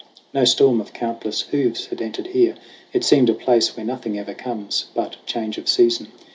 No storm of countless hoofs had entered here : It seemed a place where nothing ever comes But change of season.